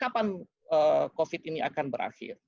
kapan covid ini akan berakhir